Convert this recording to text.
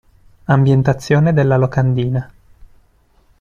Ambientazione della locandina.